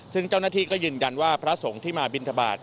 ซึ่งเจ้าหน้าที่ก็ยืนยันว่าพระสงฆ์ที่มาบินทบาท